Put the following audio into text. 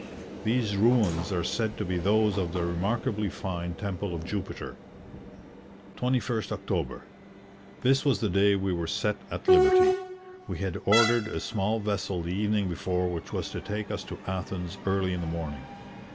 These ruins are said to be those of the remarkably fine temple of Jupiter. 21st October. This was the day we were set at liberty. We had ordered a small vessel the evening before which was to take us to Athens early in the morning.